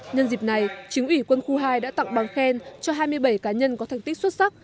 nhân dịp này chính ủy quân khu hai đã tặng bằng khen cho hai mươi bảy cá nhân có thành tích xuất sắc